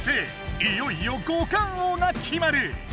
いよいよ五感王が決まる！